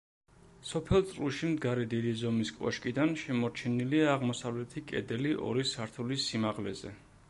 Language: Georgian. სოფელ წრუში მდგარი დიდი ზომის კოშკიდან შემორჩენილია აღმოსავლეთი კედელი ორი სართულის სიმაღლეზე.